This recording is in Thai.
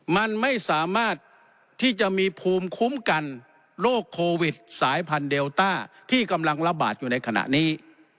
มันไม่สามารถที่จะมีภูมิคุ้มกันโรคโควิดสายพันธุเดลต้าที่กำลังระบาดอยู่ในขณะนี้